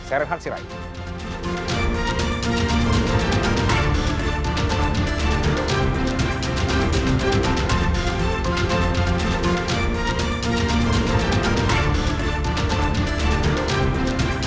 saya renhard sirai